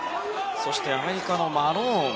そして、アメリカのマローン。